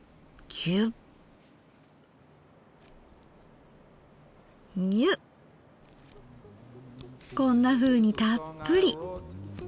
こんなふうにたっぷり。